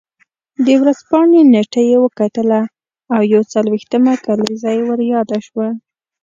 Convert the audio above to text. د ورځپاڼې نېټه یې وکتله او یو څلوېښتمه کلیزه یې ور یاده شوه.